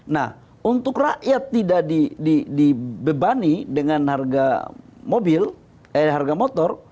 nah untuk rakyat tidak dibebani dengan harga motor